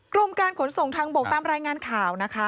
กรมการขนส่งทางบกตามรายงานข่าวนะคะ